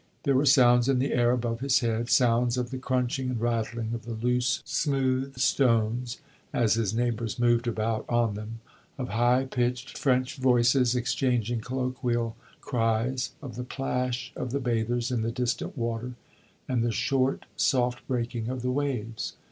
There were sounds in the air above his head sounds of the crunching and rattling of the loose, smooth stones as his neighbors moved about on them; of high pitched French voices exchanging colloquial cries; of the plash of the bathers in the distant water, and the short, soft breaking of the waves.